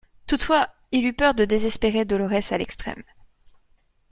Toutefois, il eut peur de désespérer Dolorès à l'extrême.